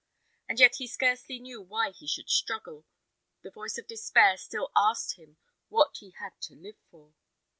And yet he scarcely knew why he should struggle; the voice of despair still asked him what he had to live for.